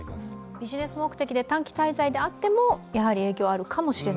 ビジネス目的で短期滞在であっても、やはり影響があるかもしれない？